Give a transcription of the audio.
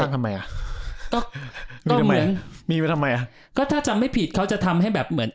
สร้างทำไมอ่ะมีทำไมมีทำไมอ่ะก็ถ้าจะไม่ผิดเขาจะทำให้แบบเหมือน